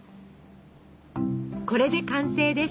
これで完成です。